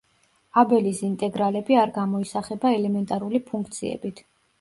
აბელის ინტეგრალები არ გამოისახება ელემენტარული ფუნქციებით.